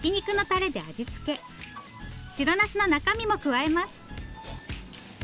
白なすの中身も加えます。